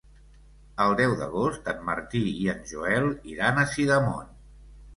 El deu d'agost en Martí i en Joel iran a Sidamon.